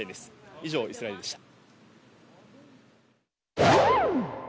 以上、イスラエルでした。